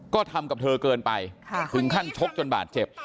ก็ทำกับเธอเกินไปถึงขั้นชกจนบาดเจ็บ